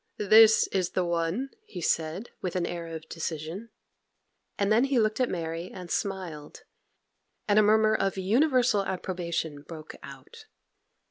'This is the one,' he said, with an air of decision, and then he looked at Mary and smiled, and a murmur of universal approbation broke out.